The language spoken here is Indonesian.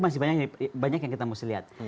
masih banyak yang kita mesti lihat